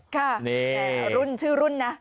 ค่ะชื่อรุ่นน่ะ